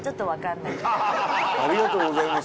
「ありがとうございます。